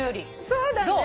そうだね。